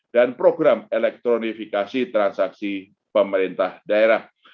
dan program elektronifikasi transaksi pemerintah daerah